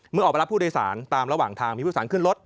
เมื่อออกไปรับผู้โดยสารตามระหว่างทางมีผู้โดยสารขึ้นรถ